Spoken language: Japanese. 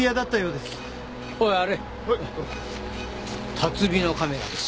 辰巳のカメラです。